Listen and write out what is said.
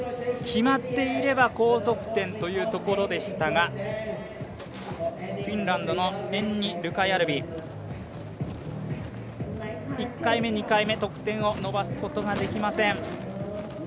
決まっていれば高得点というところでしたがフィンランドのエンニ・ルカヤルビ、１回目、２回目、得点を伸ばすことができません。